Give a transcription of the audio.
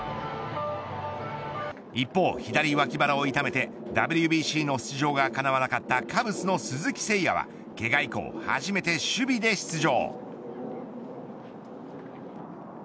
一方、左脇腹を痛めてＷＢＣの出場がかなわなかったカブスの鈴木誠也はけが以降、初めて守備で出場。